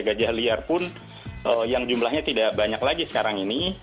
gajah liar pun yang jumlahnya tidak banyak lagi sekarang ini